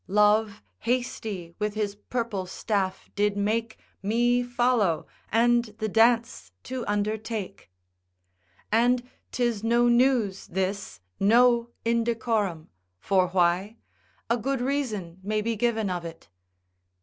Love hasty with his purple staff did make Me follow and the dance to undertake. And 'tis no news this, no indecorum; for why? a good reason may be given of it.